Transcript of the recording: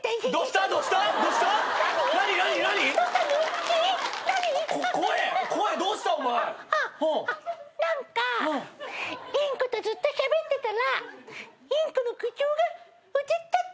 ああ何かインコとずっとしゃべってたらインコの口調がうつっちゃった！